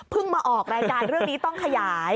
เพิ่งมาออกแรงการเรื่องนี้ต้องขยาย